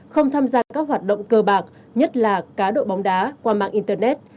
không tham gia các hoạt động cơ bạc nhất là cá độ bóng đá qua mạng internet